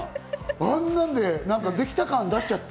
あんなんでできた感、見せちゃって。